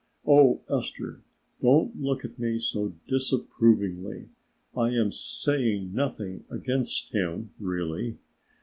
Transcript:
Oh, Esther, don't look at me so disapprovingly; I am saying nothing against him really.